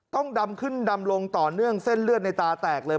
ต้องดำขึ้นดำลงต่อเนื่องเส้นเลือดในตาแตกเลย